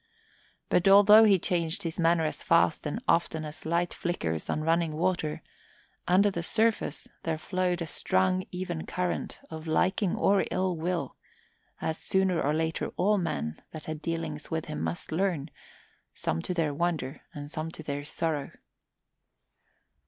But although he changed his manner as fast and often as light flickers on running water, under the surface there flowed a strong, even current of liking or ill will, as sooner or later all men that had dealings with him must learn, some to their wonder and some to their sorrow.